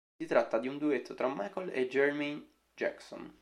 Si tratta di un duetto tra Michael e Jermaine Jackson.